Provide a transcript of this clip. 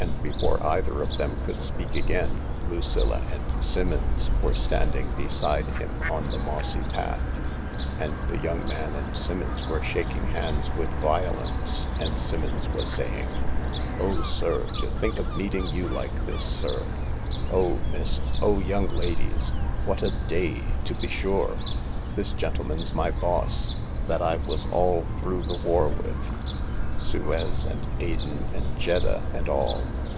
And before either of them could speak again Lucilla and Simmons were standing beside him on the mossy path, and the young man and Simmons were shaking hands with violence, and Simmons was saying, " Oh, sir, to think of meeting you like this, sir I Oh, miss— oh, young ladies I What a day to be sure 1 This gentleman's my boss, that I was all through THE LARK 83 the war with — Suez and Aden and Jeddah and all.